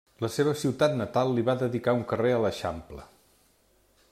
La seva ciutat natal li va dedicar un carrer a l'eixample.